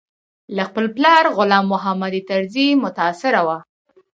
له خپل پلار غلام محمد طرزي متاثره و.